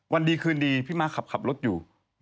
วันดีคืนดีพี่ม้าขับรถอยู่